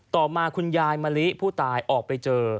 ต่อมาคุณยายมะลิผู้ตายออกไปเจอ